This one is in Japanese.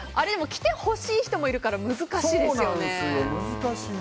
来てほしい人もいるから難しいですよね。